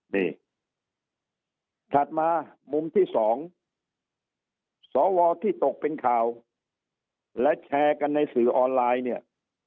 นี่ถัดมามุมที่สองสวที่ตกเป็นข่าวและแชร์กันในสื่อออนไลน์เนี่ย